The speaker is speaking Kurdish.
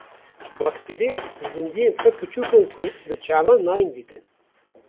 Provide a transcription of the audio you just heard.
Bakterî zindiyên pir biçûk in ku bi çavan nayên dîtin.